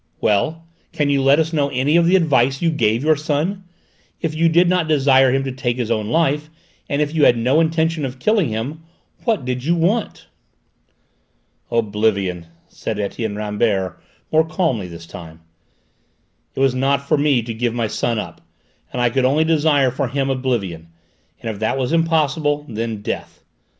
Well, can you let us know any of the advice you gave your son? If you did not desire him to take his own life, and if you had no intention of killing him, what did you want?" "Oblivion," said Etienne Rambert, more calmly this time. "It was not for me to give my son up, and I could only desire for him oblivion, and if that was impossible, then death.